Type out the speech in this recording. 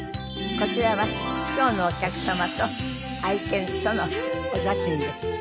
こちらは今日のお客様と愛犬とのお写真です。